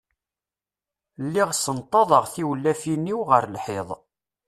Lliɣ ssenṭaḍeɣ tiwlafin-iw ɣer lḥiḍ.